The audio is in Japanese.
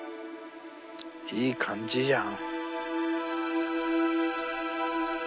いい感じじゃん。